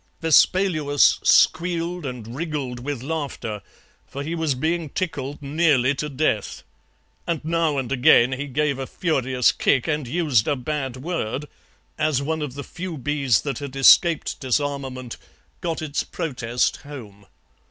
Vespaluus squealed and wriggled with laughter, for he was being tickled nearly to death, and now and again he gave a furious kick and used a bad word as one of the few bees that had escaped disarmament got its protest home.